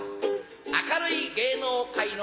明るい芸能界の